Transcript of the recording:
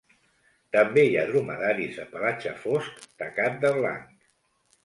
També hi ha dromedaris de pelatge fosc tacat de blanc.